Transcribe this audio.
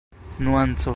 nuanco